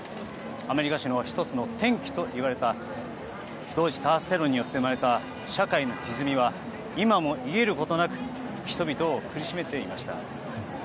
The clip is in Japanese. アメリカ人の１つの転機ともいわれた同時多発テロによって生まれた社会のひずみは今も癒えることなく人々を苦しめていました。